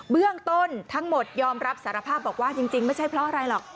เบื้องต้นทั้งหมดยอมรับสารภาพบอกว่าจริงไม่ใช่เพราะอะไรหรอก